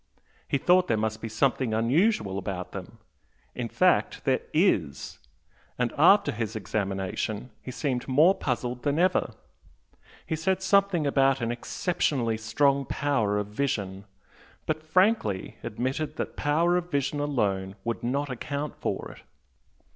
He thought there must be something unusual about them. In fact there IS! and after his examination he seemed more puzzled than ever. He said something about 'an exceptionally strong power of vision,' but frankly admitted that power of vision alone would not account for it.